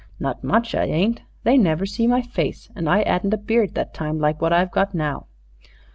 "Not much I ain't. They never see my face; and I 'adn't a beard that time like what I've got now."